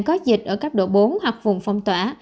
có dịch ở cấp độ bốn hoặc vùng phong tỏa